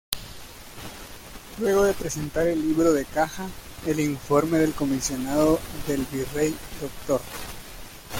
Luego de presentar el libro de Caja, el informe del comisionado del virrey, Dr.